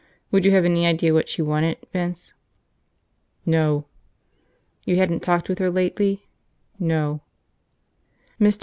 Would you have any idea what she wanted, Vince?" "No." "You hadn't talked with her lately?" "No." Mr.